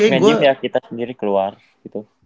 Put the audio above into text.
nge gym ya kita sendiri keluar gitu